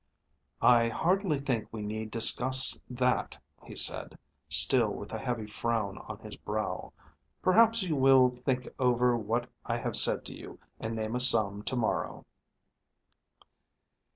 "I hardly think we need discuss that," he said, still with a heavy frown on his brow. "Perhaps you will think over what I have said to you, and name a sum to morrow."